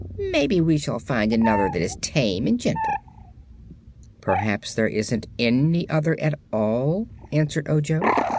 Maybe we shall find another that is tame and gentle." "Perhaps there isn't any other, at all," answered Ojo.